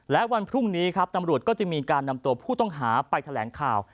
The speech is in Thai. และวันพรุ่งนี้ครับตำรวจก็จะมีการนำตัวผู้ต้องหาไปแถลงข่าว